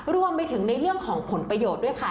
รวมไปถึงในเรื่องของผลประโยชน์ด้วยค่ะ